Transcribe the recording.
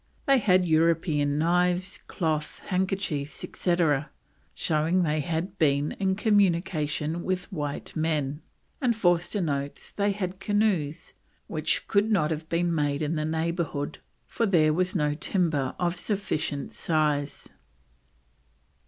They had European knives, cloth, handkerchiefs, etc., showing they had been in communication with white men; and Forster notes they had canoes which could not have been made in the neighbourhood, for there was no timber of sufficient size.